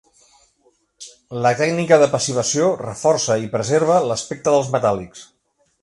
La tècnica de passivació reforça i preserva l'aspecte dels metàl·lics.